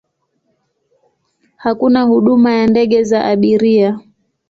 Hakuna huduma ya ndege za abiria.